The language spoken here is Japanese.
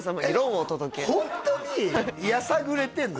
ホントにやさぐれてんの？